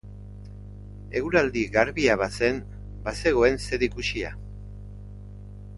Eguraldi garbia bazen, bazegoen zer ikusia.